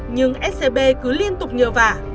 nhưng scb cứ liên tục nhờ và